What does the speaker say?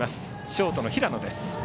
ショートの平野です。